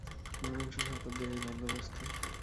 ঊনবিংশ শতাব্দীর এই বন্দোবস্ত?